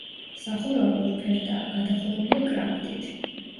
სახურავი ორფერდაა, გადახურულია კრამიტით.